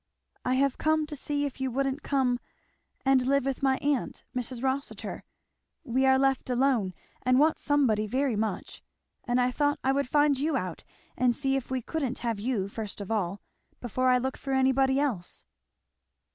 "I have come to see if you wouldn't come and live with my aunt, Mrs. Rossitur. We are left alone and want somebody very much; and I thought I would find you out and see if we couldn't have you, first of all, before I looked for anybody else."